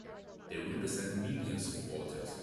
They represent millions of voters!